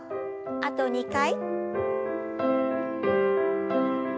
あと２回。